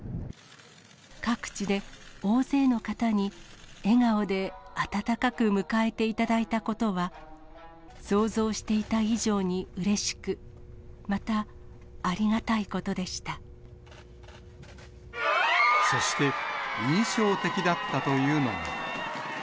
各地で大勢の方に笑顔で温かく迎えていただいたことは、想像していた以上にうれしく、そして、印象的だったというのが。